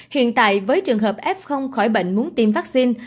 hiện tại với trường hợp f khỏi bệnh muốn tiêm vaccine